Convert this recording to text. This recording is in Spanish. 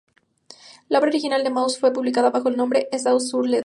La obra original de Mauss fue publicada bajo el nombre: "Essai sur le don.